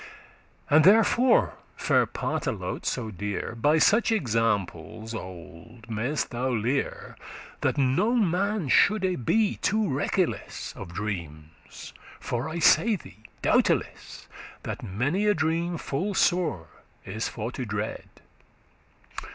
"And therefore, faire Partelote so dear, By such examples olde may'st thou lear,* *learn That no man shoulde be too reckeless Of dreames, for I say thee doubteless, That many a dream full sore is for to dread.